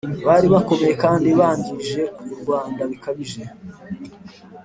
bari bakomeye kandi bangije u Rwanda bikabije